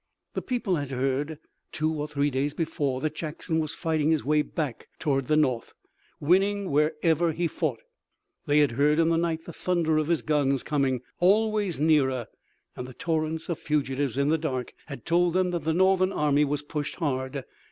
The people had heard two or three days before that Jackson was fighting his way back toward the north, winning wherever he fought. They had heard in the night the thunder of his guns coming, always nearer, and the torrents of fugitives in the dark had told them that the Northern army was pushed hard.